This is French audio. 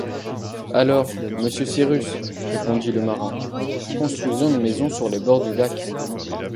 Alors, monsieur Cyrus, répondit le marin, construisons une maison sur les bords du lac.